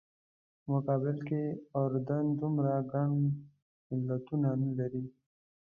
په مقابل کې اردن دومره ګڼ ملتونه نه لري.